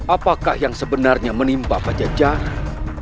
apakah yang sebenarnya menimpa pajajaran